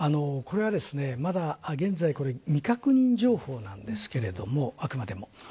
これはまだ現在未確認情報なんですけれどもあくまでも。